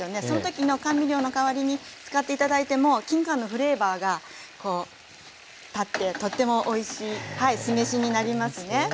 その時の甘味料のかわりに使って頂いてもきんかんのフレーバーがこう立ってとってもおいしい酢飯になりますね。